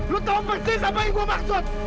lu tau persis apa yang gue maksud